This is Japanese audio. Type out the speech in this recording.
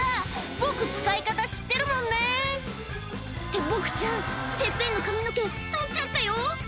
「僕使い方知ってるもんね」ってボクちゃんてっぺんの髪の毛そっちゃったよ？